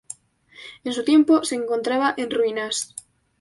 En su tiempo se encontraba en ruinas.